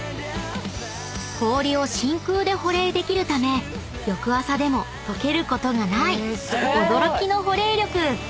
［氷を真空で保冷できるため翌朝でも溶けることがない驚きの保冷力］